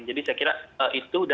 jadi saya kira itu